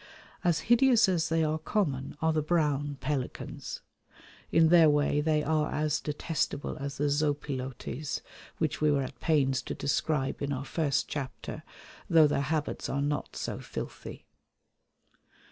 As hideous as they are common are the brown pelicans. In their way they are as detestable as the zopilotes which we were at pains to describe in our first chapter, though their habits are not so filthy.